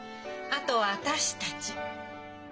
あとは私たち。